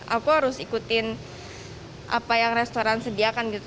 aku harus ikutin apa yang restoran sediakan gitu